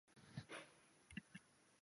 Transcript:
该州的最高点布莱克峰位于本县。